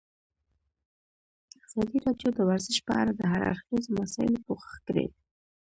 ازادي راډیو د ورزش په اړه د هر اړخیزو مسایلو پوښښ کړی.